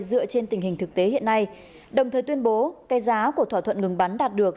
dựa trên tình hình thực tế hiện nay đồng thời tuyên bố cái giá của thỏa thuận ngừng bắn đạt được